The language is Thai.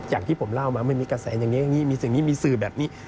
อย่างที่ผมเล่ามามันมีกระแสอย่างนี้อย่างนี้มีสิ่งนี้มีสื่อแบบนี้